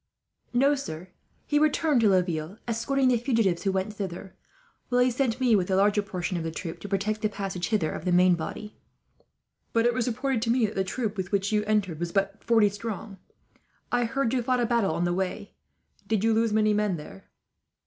"No, sir. He returned to Laville, escorting the fugitives who went thither; while he sent me, with the larger portion of the troop, to protect the passage hither of the main body." "But it was reported to me that the troop with which you entered was but forty strong. I hear you fought a battle on the way. Did you lose many men there?"